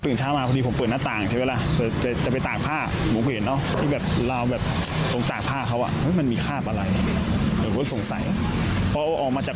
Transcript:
นี่เป็นข้อมูลจาก